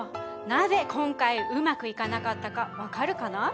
なぜ今回うまくいかなかったかわかるかな？